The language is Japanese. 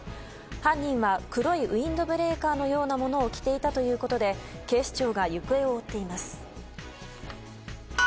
犯人は黒いウィンドブレーカーのようなものを着ていたということで警視庁が行方を追っています。